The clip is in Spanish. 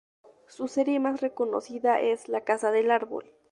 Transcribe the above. Su serie más reconocida es "La casa del árbol".